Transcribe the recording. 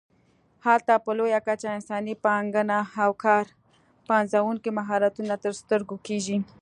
هلته په لویه کچه انساني پانګه او کار پنځوونکي مهارتونه تر سترګو کېږي.